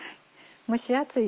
蒸し暑い